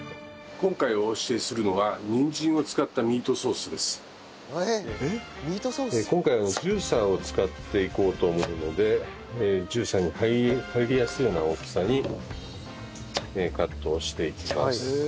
今回お教えするのは今回はジューサーを使っていこうと思うのでジューサーに入りやすいような大きさにカットしていきます。